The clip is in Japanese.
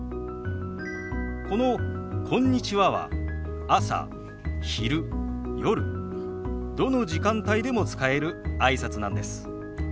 この「こんにちは」は朝昼夜どの時間帯でも使えるあいさつなんです。